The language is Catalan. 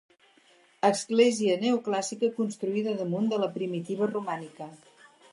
Església neoclàssica, construïda damunt de la primitiva romànica.